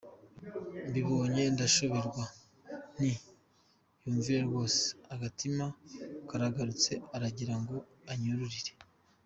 Mbibonye ndashoberwa Nti yumviye rwose, Agatima karagarutse Aragira ngo anyurure.